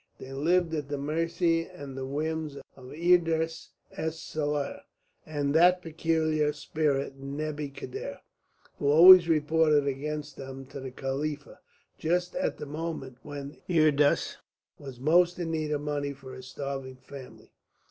They lived at the mercy of the whims of Idris es Saier and that peculiar spirit Nebbi Khiddr, who always reported against them to the Khalifa just at the moment when Idris was most in need of money for his starving family.